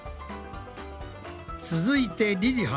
続いてりりは。